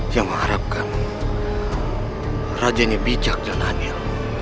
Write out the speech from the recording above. yang mengharapkan rajanya bijak dan anil